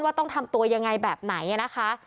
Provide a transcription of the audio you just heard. ต้องทำตัวยังไงแบบไหนนะคะ